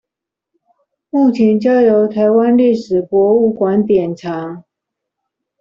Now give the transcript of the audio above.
目前交由臺灣歷史博物館典藏